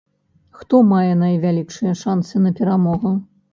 Хто мае найвялікшыя шанцы на перамогу?